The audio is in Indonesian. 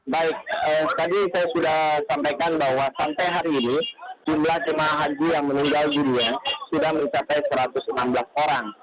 baik tadi saya sudah sampaikan bahwa sampai hari ini jumlah jemaah haji yang meninggal dunia sudah mencapai satu ratus enam belas orang